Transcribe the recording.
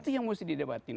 itu yang harus didebatkan